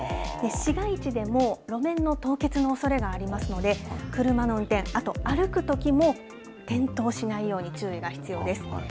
市街地でも路面の凍結のおそれがありますので、車の運転、あと歩くときも転倒しないように注意が必要です。